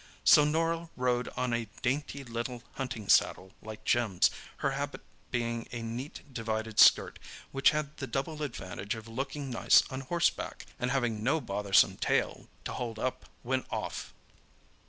So Norah rode on a dainty little hunting saddle like Jim's, her habit being a neat divided skirt, which had the double advantage of looking nice on horseback, and having no bothersome tail to hold up when off.